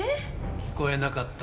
聞こえなかったのか？